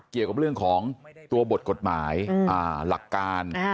เกี่ยวกับเรื่องของตัวบทกฎหมายหลักการ